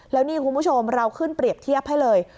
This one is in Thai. แล้วนี่คุณผู้ชมเราขึ้นเปรียบเทียบให้เลย